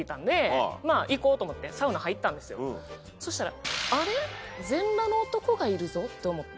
そしたら。って思って。